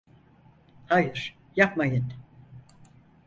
Hayır, yapmayın!